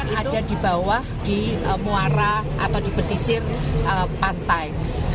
yang ada di bawah di muara atau di pesisir pantai